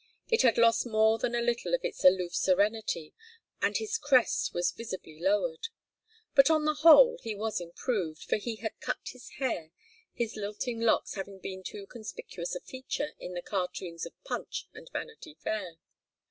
It had lost more than a little of its aloof serenity, and his crest was visibly lowered. But on the whole he was improved, for he had cut his hair, his lilting locks having been too conspicuous a feature in the cartoons of Punch and Vanity Fair.